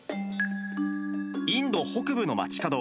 インド北部の街角。